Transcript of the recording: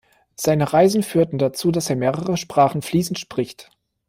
Seine Reisen führten dazu, dass er mehrere Sprachen fließend spricht.